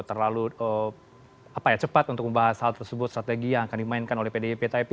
terlalu cepat untuk membahas hal tersebut strategi yang akan dimainkan oleh pdip tip